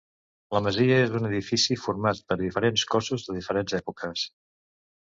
La masia és un edifici format per diferents cossos de diferents èpoques.